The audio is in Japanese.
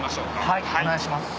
はいお願いします。